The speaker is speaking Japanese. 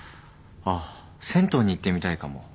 あっ銭湯に行ってみたいかも。